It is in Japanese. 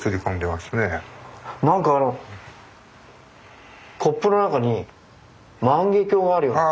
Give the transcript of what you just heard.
何かコップの中に万華鏡があるような。